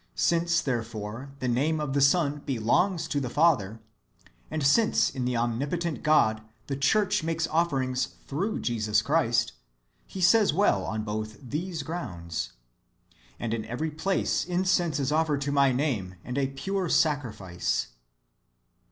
Since, therefore, the name of the Son belongs to the Father, and since in the omnipotent God the church makes offerings through Jesus Christ, He says well on both these grounds, " And in every place incense is offered to my name, and a pure sacrifice."